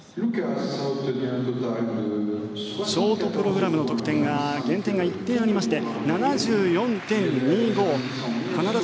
ショートプログラムの得点が減点が１点ありまして７４．２５。